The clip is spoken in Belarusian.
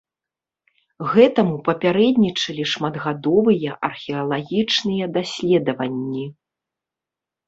Гэтаму папярэднічалі шматгадовыя археалагічныя даследаванні.